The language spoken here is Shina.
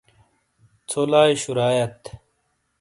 ژھو لائی شُرایات۔